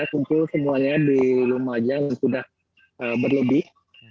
tentu semuanya di lemajang sudah berlebih